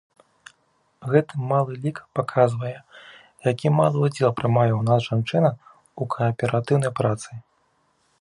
Гэты малы лік паказвае, які малы ўдзел прымае ў нас жанчына ў кааператыўнай працы.